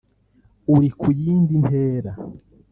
uri ku yindi ntera